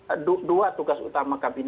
ada dua tugas utama